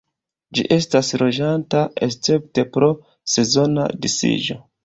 Ĝi estas loĝanta escepte pro sezona disiĝo.